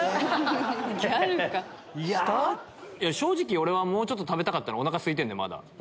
俺はもうちょっと食べたかったお腹すいてんのよまだ。